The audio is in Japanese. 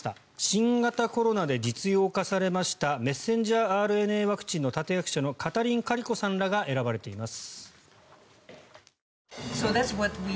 新型コロナで実用化されましたメッセンジャーＲＮＡワクチンの立役者のカタリン・カリコさんらが選ばれています。